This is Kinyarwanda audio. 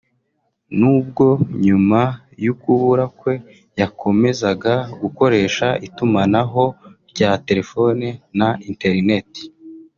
nubwo nyuma y’ukubura kwe yakomezaga gukoresha itumanaho rya telefone na internet